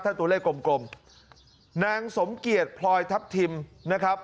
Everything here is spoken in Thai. ถ้าตัวเลขกลมกลมนางสมเกียจพลอยทัพทิมนะครับ